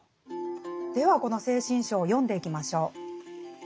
この「精神章」を読んでいきましょう。